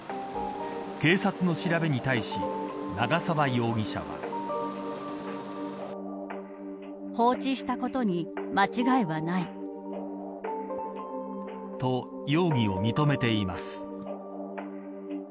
警察の調べに対し長沢容疑者は。と容疑を認めています。